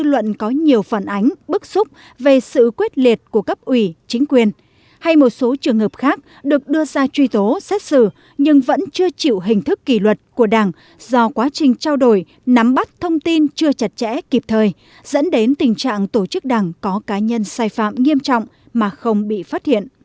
các cá nhân đã có nhiều phản ánh bức xúc về sự quyết liệt của cấp ủy chính quyền hay một số trường hợp khác được đưa ra truy tố xét xử nhưng vẫn chưa chịu hình thức kỳ luật của đảng do quá trình trao đổi nắm bắt thông tin chưa chặt chẽ kịp thời dẫn đến tình trạng tổ chức đảng có cá nhân sai phạm nghiêm trọng mà không bị phát hiện